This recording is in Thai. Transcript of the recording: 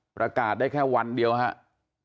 ประกาศได้แค่วันเดียวครับ